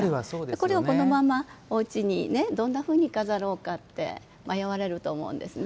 これをこのまま、おうちにどんなふうに飾ろうかって迷われると思うんですね。